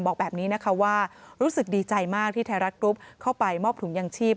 บอกแบบนี้นะคะว่ารู้สึกดีใจมากที่ไทยรัฐกรุ๊ปเข้าไปมอบถุงยางชีพ